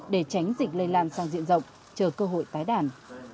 để tránh dịch lây lan sang diện rộng chờ cơ hội tái đàn